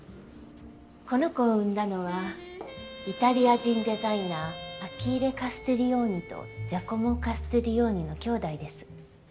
この子を生んだのはイタリア人デザイナーアキッレ・カスティリオーニとジャコモ・カスティリオーニの兄弟です。